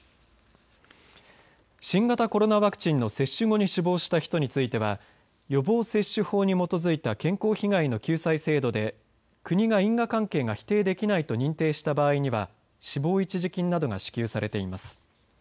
新型コロナワクチンの接種後に死亡した人については予防接種法に基づいた健康被害の救済制度で国が、因果関係が否定できないと認定した場合には死亡一時金などが支給されています。